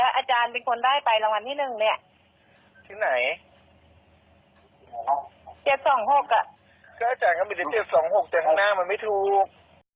ก็จะไม่ถึง๗๒๖แต่ข้างหน้ามันไม่ถูก